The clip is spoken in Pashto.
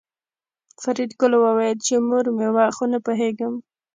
فریدګل وویل چې مور مې وه خو نه پوهېږم